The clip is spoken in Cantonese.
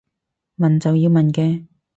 問就要問嘅